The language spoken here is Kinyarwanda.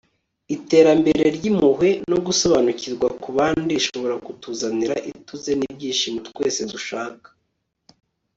iterambere ry'impuhwe no gusobanukirwa kubandi rishobora kutuzanira ituze n'ibyishimo twese dushaka